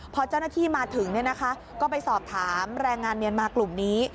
พอเจ้าหน้าที่มาถึงก็ไปสอบถามแรงงานเมียนมากลุ่มนี้